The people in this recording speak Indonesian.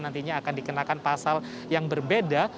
nantinya akan dikenakan pasal yang berbeda